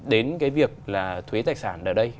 đến cái việc là thuế tài sản ở đây